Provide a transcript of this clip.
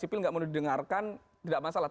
sipil nggak mau didengarkan tidak masalah